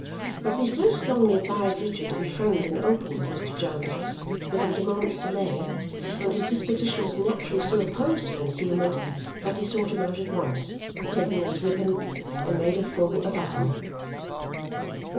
But we so strongly advised Richard to be frank and open with Mr. Jarndyce, without a moment's delay, and his disposition was naturally so opposed to concealment that he sought him out at once (taking us with him) and made a full avowal.